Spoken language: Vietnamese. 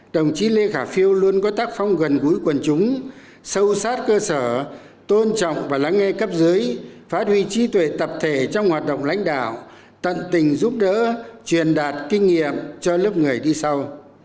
đồng chí lê khả phiêu luôn có tác phong gần gũi quần chúng sâu sát cơ sở tôn trọng và lắng nghe cấp dưới phát huy trí tuệ tập thể trong hoạt động lãnh đạo tận tình giúp đỡ truyền đạt kinh nghiệm cho lớp người đi sau